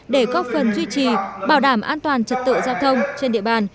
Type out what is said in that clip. để góp phần duy trì bảo đảm an toàn trật tự giao thông trên địa bàn